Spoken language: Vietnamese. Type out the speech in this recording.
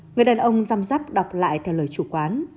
người đàn ông răm dắp đọc lại theo lời chủ quán